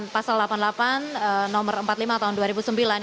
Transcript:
pasal delapan puluh delapan nomor empat puluh lima tahun dua ribu sembilan